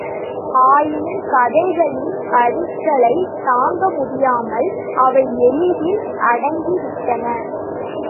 ஆயினும், கதைகளின் அடிகளைத் தாங்கமுடியாமல், அவை எளிதில் அடங்கிவிட்டன.